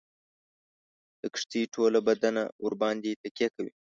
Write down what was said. د کښتۍ ټوله بدنه ورباندي تکیه وي.